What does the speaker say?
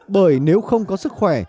bởi nếu không có sức khỏe